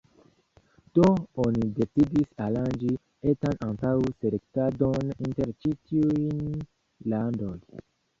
Do oni decidis aranĝi etan antaŭ-selektadon inter ĉi-tiuj landoj.